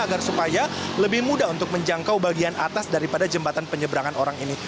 agar supaya lebih mudah untuk menjangkau bagian atas daripada jembatan penyeberangan orang ini